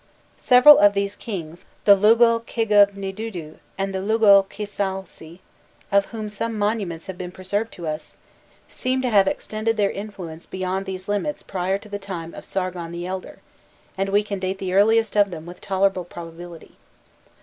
Several of these kings, the Lugalkigubnidudu and the Lugalkisalsi, of whom some monuments have been preserved to us, seem to have extended their influence beyond these limits prior to the time of Sargon the Elder; and we can date the earliest of them with tolerable probability.